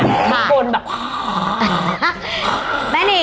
มันกลนแบบ